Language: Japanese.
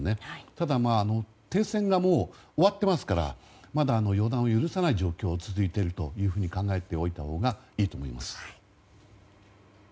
ただ、停戦が終わっていますからまだ予断を許さない状況が続いていると考えておいたほうがいいと思います。